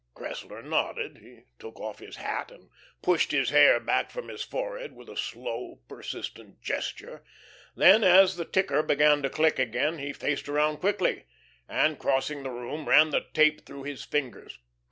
Cressler nodded. He took off his hat, and pushed the hair back from his forehead with a slow, persistent gesture; then as the ticker began to click again, he faced around quickly, and crossing the room, ran the tape through his fingers.